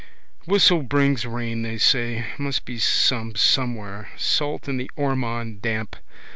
Whistle brings rain they say. Must be some somewhere. Salt in the Ormond damp.